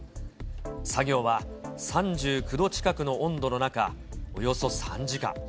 作業は３９度近くの温度の中、およそ３時間。